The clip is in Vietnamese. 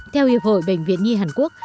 theo hiệp hội bệnh viện nhi hàn quốc